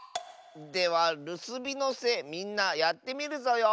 では「るすびのせ」みんなやってみるぞよ。